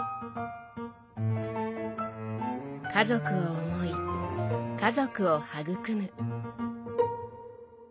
家族を思い家族を育む。